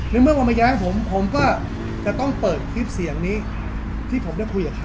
ในเมื่อมาแย้งผมผมก็จะต้องเปิดคลิปเสียงนี้ที่ผมได้คุยกับเขา